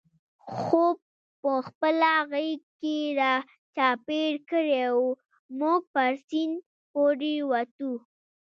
خوپ په خپله غېږ کې را چاپېر کړی و، موږ پر سیند پورې وتو.